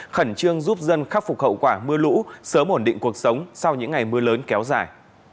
khẩn trương giúp dân khắc phục hậu quả mưa lũ sớm ổn định cuộc sống sau những ngày mưa lớn kéo dài